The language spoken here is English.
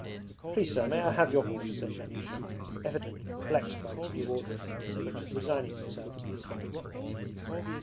'Please sir, may I have your horse?' said Vanyusha, evidently perplexed by this new order of things but resigning himself to his fate.